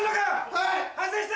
はい！